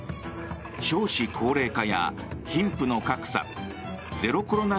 少子高齢化や貧富の格差ゼロコロナ